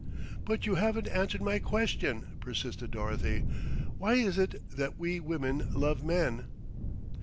"But you haven't answered my question," persisted Dorothy. "Why is it that we women love men?"